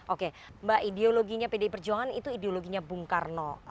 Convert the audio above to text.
oke mbak ideologinya pdi perjuangan itu ideologinya bung karno